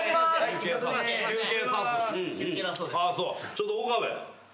ちょっと岡部。